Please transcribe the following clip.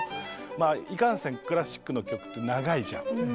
いかんせんクラシックの曲って長いじゃん。